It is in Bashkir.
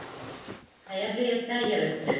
— Хәйерле иртә, ер өҫтө!